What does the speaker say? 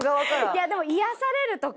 いやでも癒やされるとか。